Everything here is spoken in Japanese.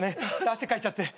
汗かいちゃって。